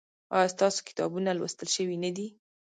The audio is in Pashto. ایا ستاسو کتابونه لوستل شوي نه دي؟